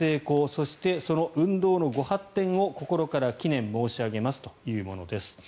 そして、その運動のご発展を心から祈念申し上げますというものです。